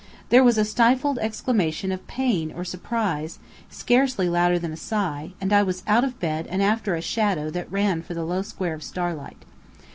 There was a stifled exclamation of pain or surprise, scarcely louder than a sigh, and I was out of bed and after a shadow that ran for the low square of starlight.